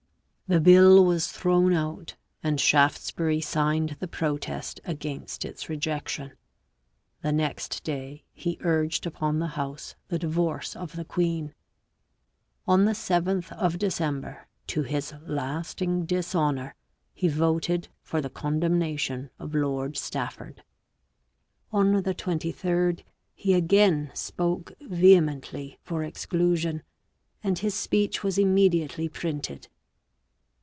The bill was thrown out, and Shaftesbury signed the protest against its rejection. The next day he urged upon the House the divorce of the queen. On the 7th of December, to his lasting dishonour, he voted for the condemnation of Lord Stafford. On the 23rd he again spoke vehemently for exclusion, and his speech was immediately printed.